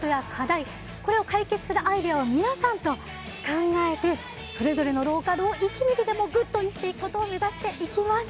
これを解決するアイデアを皆さんと考えてそれぞれのローカルを１ミリでもグッドにしていくことを目指していきます。